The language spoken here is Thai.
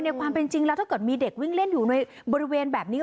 ความเป็นจริงแล้วถ้าเกิดมีเด็กวิ่งเล่นอยู่ในบริเวณแบบนี้